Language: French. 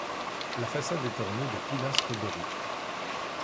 La façade est ornée de pilastres doriques.